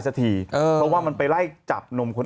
เพราะว่ามันไปไล่จับนมคนอื่น